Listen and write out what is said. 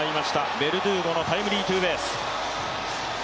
ベルドゥーゴのタイムリーツーベース。